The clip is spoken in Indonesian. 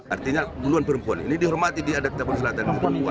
artinya menurut perempuan ini dihormati di adat kita berselatan